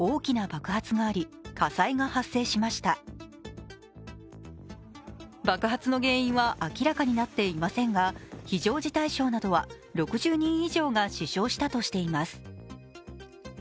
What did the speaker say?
爆発の原因は明らかになっていませんが、非常事態省などは６０人以上が死傷したとみています。